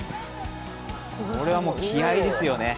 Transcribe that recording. これは気合いですよね。